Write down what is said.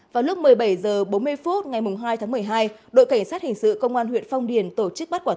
vào lúc một mươi bảy h bốn mươi phút ngày hai tháng một mươi hai đội cảnh sát hình sự công an huyện phong điền tổ chức bắt quả tăng